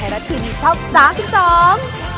แฮร่าทีมีชอบต่อสิ่งต้อง